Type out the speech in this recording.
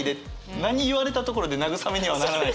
何言われたところで慰めにはならないからっていう。